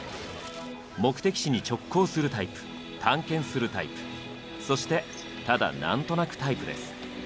「目的地に直行するタイプ」「探検するタイプ」そして「ただなんとなくタイプ」です。